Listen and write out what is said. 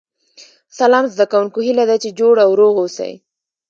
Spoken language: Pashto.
سلام زده کوونکو هیله ده چې جوړ او روغ اوسئ